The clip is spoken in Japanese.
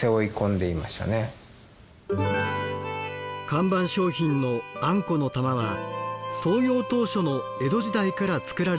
看板商品のあんこの玉は創業当初の江戸時代から作られているもの。